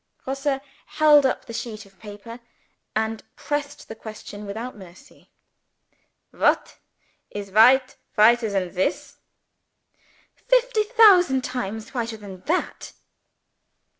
Grosse held up the sheet of paper, and pressed the question without mercy. "What! is white, whiter than this?" "Fifty thousand times whiter than that!"